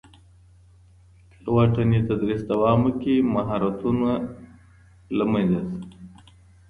که واټني تدریس دوام وکړي، مهارتونه نه له منځه ځي.